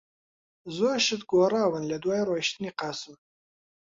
زۆر شت گۆڕاون لەدوای ڕۆیشتنی قاسم.